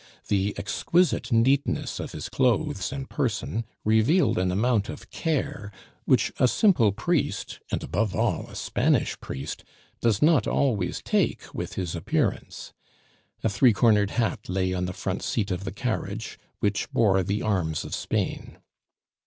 The exquisite neatness of his clothes and person revealed an amount of care which a simple priest, and, above all, a Spanish priest, does not always take with his appearance. A three cornered hat lay on the front seat of the carriage, which bore the arms of Spain.